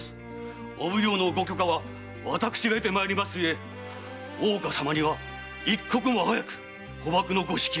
お奉行の許可は私が得てまいりますゆえ大岡様には一刻も早く捕縛のご指揮を。